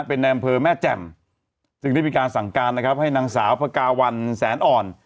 เป็นในอำเภอแม่แจ่มจึงได้มีการสั่งการนะครับให้นางสาวพระกาวันแสนอ่อน